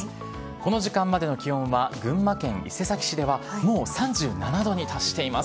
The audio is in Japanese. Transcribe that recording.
この時間までの気温は群馬県伊勢崎市では、もう３７度に達しています。